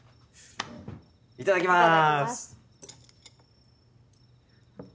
いただきます。